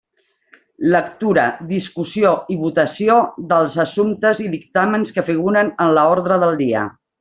Lectura, discussió i votació dels assumptes i dictàmens que figuren en l'ordre del dia.